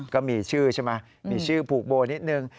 ก็มีชื่อใช่ไหมมีชื่อผูกโบนิดนึง